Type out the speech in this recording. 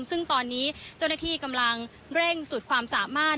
ซึ่งตอนนี้เจ้าหน้าที่กำลังเร่งสุดความสามารถ